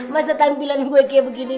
masa tampilan gue kayak begini